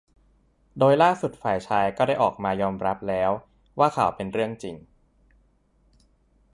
โดยล่าสุดฝ่ายชายก็ได้ออกมายอมรับแล้วว่าข่าว เป็นเรื่องจริง